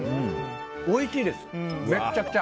おいしいです、めちゃくちゃ。